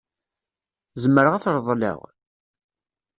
Zemreɣ ad t-reḍleɣ?